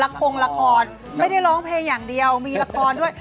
รักโครงราคอร์ดไม่ได้ร้องเพลงอย่างเดียวมีราคอร์ดด้วย